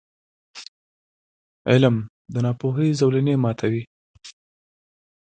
• علم، د ناپوهۍ زولنې ماتوي.